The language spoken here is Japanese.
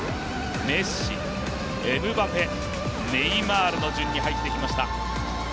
メッシ、エムバペ、ネイマールの順に入っていきました。